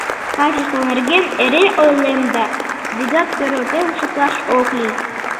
Качество нерген эре ойлем да, вигак тӧрлатен шукташ ок лий.